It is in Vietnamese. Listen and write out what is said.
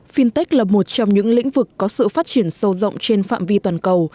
fintech là một trong những lĩnh vực có sự phát triển sâu rộng trên phạm vi toàn cầu